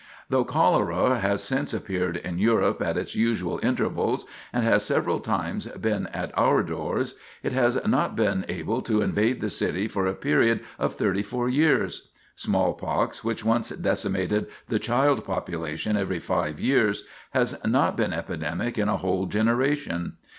Though cholera has since appeared in Europe at its usual intervals, and has several times been at our doors, it has not been able to invade the city for a period of thirty four years. Smallpox, which once decimated the child population every five years, has not been epidemic in a whole generation.